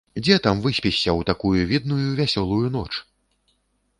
Дзе там выспішся ў такую відную вясёлую ноч?!